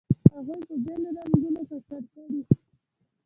هغه په بېلو رنګونو ککړ کړئ.